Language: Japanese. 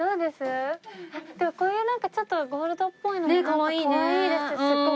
でもこういうなんかちょっとゴールドっぽいのもなんかかわいいですすごく。